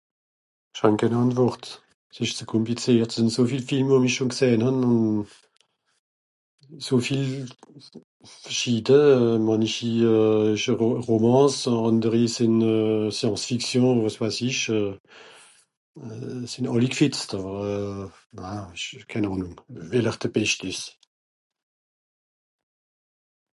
esch hàn kehn àntwort s'esch zue kòmpliziert sìnn so viel Film wo m'ìsch schòn gsehn hàn euh so viel ver'schiide mànichi esche romance ànderi sìnn euh science fiction o wàs weiss ìsch euh sìnn alli g'wìtz àwer euh na esch kehn àwer nìm welle'r de bescht esch